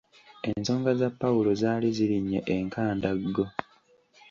Ensonga za Pawulo zaali zirinnye enkandaggo.